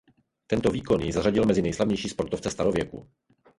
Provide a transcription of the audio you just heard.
Tento výkon jej zařadil mezi nejslavnější sportovce starověku.